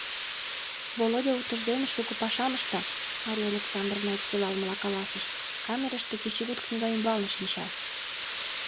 — Володя утыждене шуко пашам ышта, — Мария Александровна ӧпкелалмыла каласыш, — камерыште кечыгут книга ӱмбалне шинча.